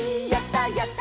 「やった！